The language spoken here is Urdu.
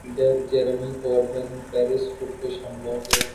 لیڈر جیریمی کوربین پیرس خودکش حملوں کے